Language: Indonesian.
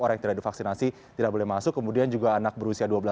orang yang tidak divaksinasi tidak boleh masuk kemudian juga anak berusia dua belas